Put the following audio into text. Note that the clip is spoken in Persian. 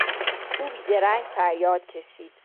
او بیدرنگ فریاد کشید.